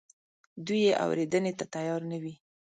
دوی یې اورېدنې ته تیار نه وي.